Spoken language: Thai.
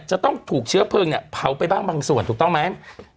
จะต้องถูกเชื้อเพลิงเนี่ยเผาไปบ้างบางส่วนถูกต้องไหม